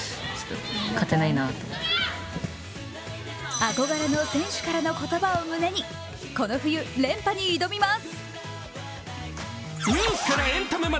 憧れの選手からの言葉を胸にこの冬、連覇に挑みます。